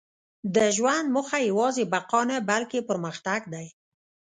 • د ژوند موخه یوازې بقا نه، بلکې پرمختګ دی.